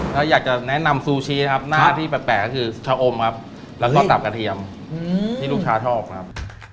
แล้วอยากจะแนะนำซูชีนะครับหน้าที่แปลกก็คือชะอมครับแล้วก็ตับกระเทียมที่ลูกค้าชอบครับ